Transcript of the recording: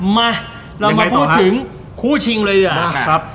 มาเรามาพูดถึงคู่ชิงเลยเนี่ย